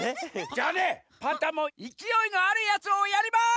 じゃあねパンタンもいきおいのあるやつをやります！